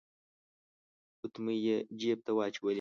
ګوتمۍ يې جيب ته واچولې.